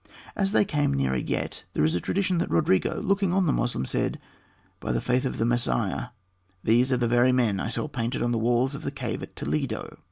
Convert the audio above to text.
As they came nearer yet, there is a tradition that Rodrigo looking on the Moslem, said, "By the faith of the Messiah, these are the very men I saw painted on the walls of the cave at Toledo."